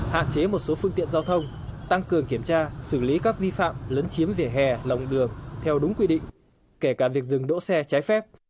hạn chế một số phương tiện giao thông tăng cường kiểm tra xử lý các vi phạm lấn chiếm vỉa hè lòng đường theo đúng quy định kể cả việc dừng đỗ xe trái phép